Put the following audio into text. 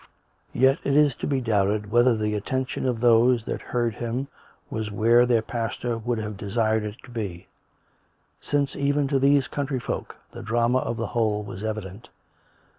Yet it is to be doubted whether the attention of thos e that heard him was where their pastor would have desired it to be; since even to these country folk the drama of the whole was evident.